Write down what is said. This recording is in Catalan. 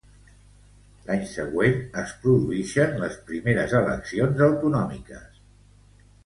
L'any següent, es produïxen les primeres eleccions autonòmiques.